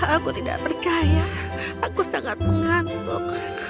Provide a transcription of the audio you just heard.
aku tidak percaya aku sangat mengantuk